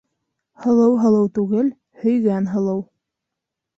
Һылыу һылыу түгел, һөйгән һылыу.